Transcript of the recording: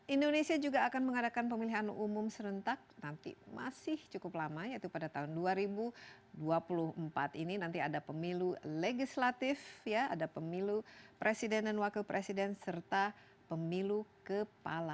indonesia juga akan mengadakan pemilihan umum serentak nanti masih cukup lama yaitu pada tahun dua ribu dua puluh empat ini nanti ada pemilu legislatif ada pemilu presiden dan wakil presiden serta pemilu kepala